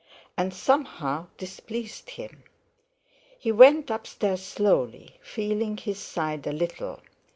And somehow this pleased him. He went upstairs slowly, feeling his side a little.